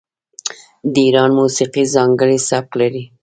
د ایران موسیقي ځانګړی سبک لري.